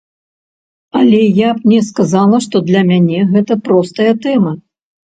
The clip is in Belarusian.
Але я б не сказала што для мяне гэта простая тэма.